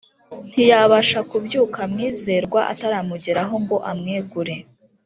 ntiyabasha kubyuka Mwizerwa ataramugeraho ngo amwegure